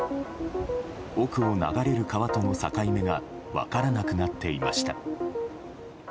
奥を流れる川との境目が分からなくなっていました。